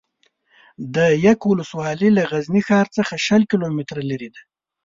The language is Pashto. ده یک ولسوالي له غزني ښار څخه شل کیلو متره لري ده